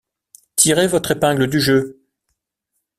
Tirez votre épingle du jeu!